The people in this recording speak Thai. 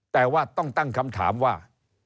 แต่ว่าต้องตั้งคำถามว่า